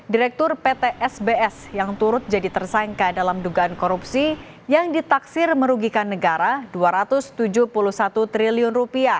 direktur pt sbs yang turut jadi tersangka dalam dugaan korupsi yang ditaksir merugikan negara rp dua ratus tujuh puluh satu triliun